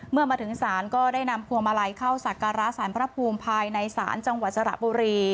เมื่อมาถึงศาลก็ได้นำพวงมาลัยเข้าสักการะสารพระภูมิภายในศาลจังหวัดสระบุรี